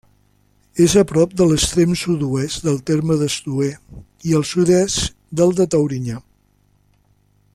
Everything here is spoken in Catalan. És a prop de l'extrem sud-oest del terme d'Estoer i al sud-est del de Taurinyà.